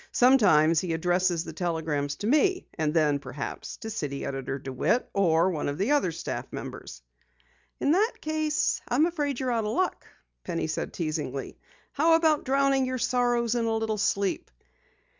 Sometimes he addresses the telegrams to me, and then perhaps to City Editor DeWitt or one of the other staff members." "In that case, I'm afraid you're out of luck," Penny said teasingly. "How about drowning your troubles in a little sleep?"